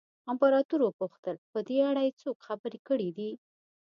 امپراتور وپوښتل په دې اړه یې څوک خبر کړي دي.